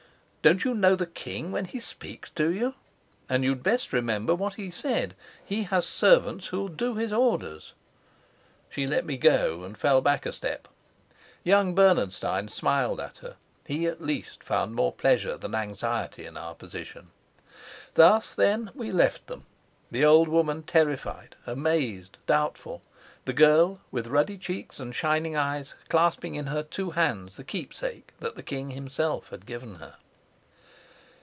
"Don't you know the king when he speaks to you? And you'd best remember what he said. He has servants who'll do his orders." She let me go and fell back a step. Young Bernenstein smiled at her; he at least found more pleasure than anxiety in our position. Thus, then, we left them: the old woman terrified, amazed, doubtful; the girl with ruddy cheeks and shining eyes, clasping in her two hands the keepsake that the king himself had given her.